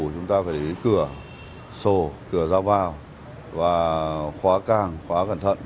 chúng ta phải cửa sổ cửa rao vào và khóa càng khóa cẩn thận